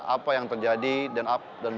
apa yang terjadi dan ap dan bagaimana